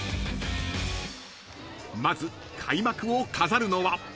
［まず開幕を飾るのは］